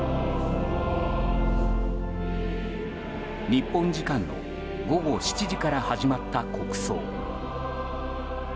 日本時間の午後７時から始まった国葬。